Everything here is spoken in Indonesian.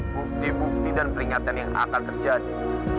bukti bukti dan peringatan yang akan terjadi